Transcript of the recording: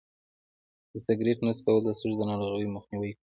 د سګرټ نه څکول د سږو د ناروغۍ مخنیوی کوي.